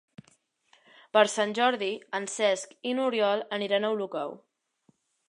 Per Sant Jordi en Cesc i n'Oriol aniran a Olocau.